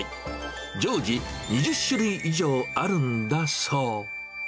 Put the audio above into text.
常時２０種類以上あるんだそう。